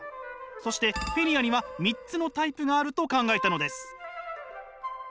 そしてフィリアには三つのタイプがあると考えたのです。